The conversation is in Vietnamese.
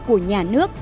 của nhà nước